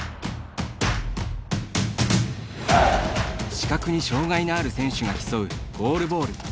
視覚に障がいのある選手が競うゴールボール。